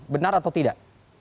benar atau tidak